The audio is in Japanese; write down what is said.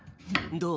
どう？